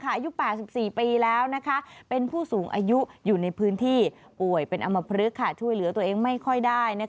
อายุ๘๔ปีแล้วเป็นผู้สูงอายุอยู่ในพื้นที่ป่วยเป็นอำมพลึกช่วยเหลือตัวเองไม่ค่อยได้